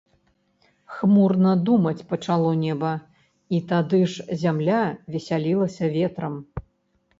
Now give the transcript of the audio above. Хмурна думаць пачало неба, і тады ж зямля весялілася ветрам.